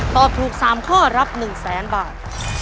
ตอบถูก๓ข้อรับ๑แสนบาท